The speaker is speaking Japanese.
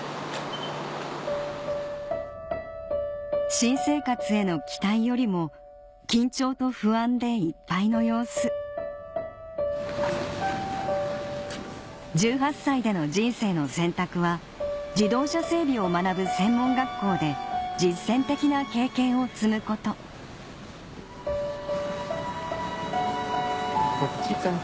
新生活への期待よりも緊張と不安でいっぱいの様子１８歳での人生の選択は自動車整備を学ぶ専門学校で実践的な経験を積むことこっちかな。